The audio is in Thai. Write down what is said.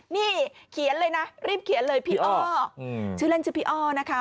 นี่เขียนเลยนะรีบเขียนเลยพี่อ้อชื่อเล่นชื่อพี่อ้อนะคะ